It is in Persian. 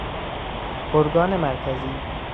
ارگان مرکزی